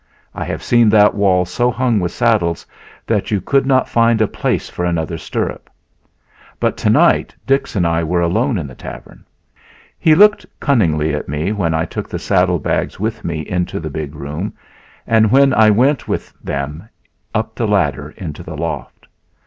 I have seen that wall so hung with saddles that you could not find a place for another stirrup. But tonight Dix and I were alone in the tavern. He looked cunningly at me when I took the saddle bags with me into the big room and when I went with them up the ladder into the loft.